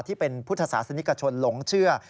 ที่เป็นพุทธศาสนิกชนหลงเชื่อ